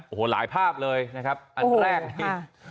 โอ้โหหลายภาพเลยนะครับอันแรกนี่